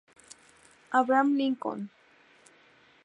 Abraham Lincoln.